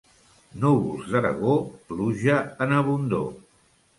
Núvols d'Aragó, pluja en abundor.